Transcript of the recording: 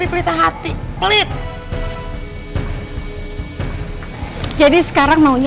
saya terlihat sebagai orang kaya